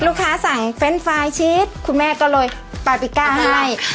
ลูกค้าสั่งเฟเลยเขาเลยปลาบีก้าให้